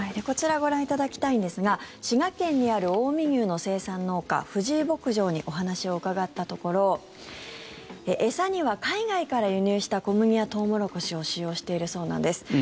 こちらご覧いただきたいんですが滋賀県にある近江牛の生産農家藤井牧場にお話を伺ったところ餌には海外から輸入した小麦やトウモロコシを使用しているそうなんです。